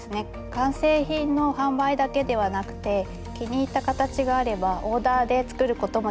完成品の販売だけではなくて気に入った形があればオーダーで作ることもできます。